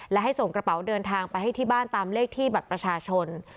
และให้ส่งกระเป๋าเดินทางไปให้ที่บ้านตามเลขที่บัตรประชาชน